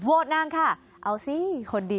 โหวตนางค่ะเอาสิ